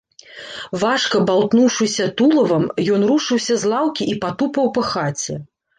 Важка баўтнуўшыся тулавам, ён рушыўся з лаўкі і патупаў па хаце.